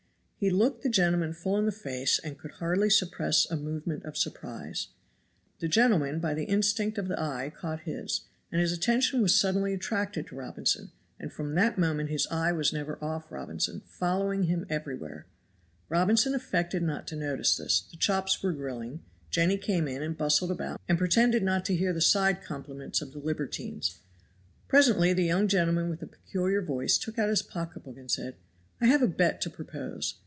He looked the gentleman full in the face and could hardly suppress a movement of surprise. The gentleman by the instinct of the eye caught his, and his attention was suddenly attracted to Robinson, and from that moment his eye was never off Robinson, following him everywhere. Robinson affected not to notice this; the chops were grilling, Jenny came in and bustled about and pretended not to hear the side compliments of the libertines. Presently the young gentleman with the peculiar voice took out his pocketbook and said, "I have a bet to propose.